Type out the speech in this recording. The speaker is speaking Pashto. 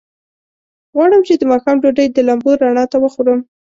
غواړم چې د ماښام ډوډۍ د لمبو رڼا ته وخورم.